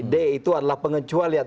d itu adalah pengecualian